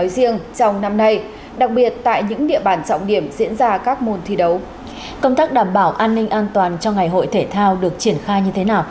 xin chào và hẹn gặp lại trong các bộ phim tiếp theo